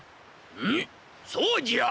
うむそうじゃ！